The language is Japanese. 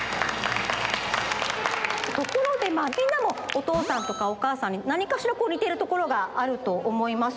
ところでみんなもおとうさんとかおかあさんになにかしらにているところがあるとおもいます。